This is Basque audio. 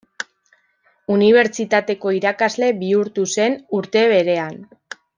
Unibertsitateko irakasle bihurtu zen urte berean.